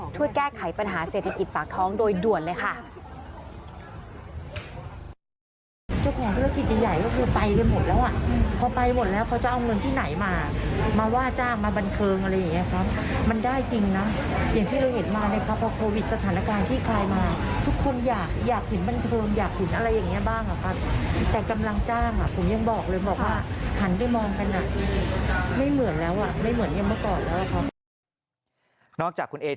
ช่วยแก้ไขปัญหาเศรษฐกิจปากท้องโดยด่วนเลยค่ะ